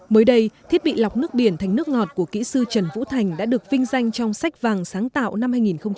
mới đây thiết bị lọc nước biển thành nước ngọt của kỹ sư trần vũ thành đã được vinh danh trong sách vàng sáng tạo năm hai nghìn một mươi tám